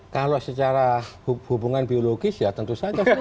kalau secara hubungan biologis ya tentu saja